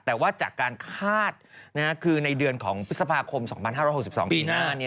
แต่ว่าจากการคาดคือในเดือนของพฤษภาคม๒๕๖๒ปีหน้า